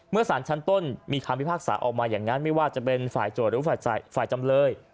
สารชั้นต้นมีคำพิพากษาออกมาอย่างนั้นไม่ว่าจะเป็นฝ่ายโจทย์หรือฝ่ายจำเลย